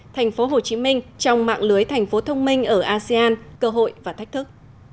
thành phố hồ chí minh trong mạng lưới thành phố thông minh ở asean cơ hội và thách thức